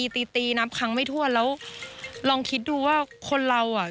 ตีนับค้างไม่ถ้วนแล้วลองคิดดูว่าคนเรา